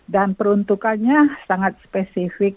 dan peruntukannya sangat spesifik